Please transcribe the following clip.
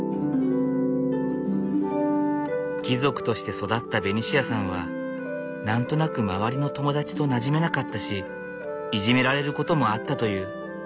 貴族として育ったベニシアさんは何となく周りの友達となじめなかったしいじめられることもあったという。